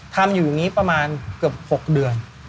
ทำอยู่อย่างนี้ประมาณเกือบ๖เดือน